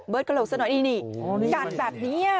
เบิร์ตกระโหลกสักหน่อยนี่กันแบบนี้